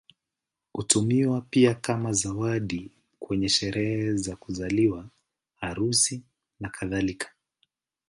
Hutumiwa pia kama zawadi kwenye sherehe za kuzaliwa, harusi, nakadhalika.